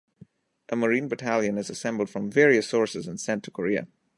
A Marine battalion is assembled from various sources and sent to Korea.